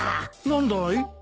何だい？